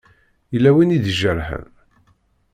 Yella win i d-ijerḥen?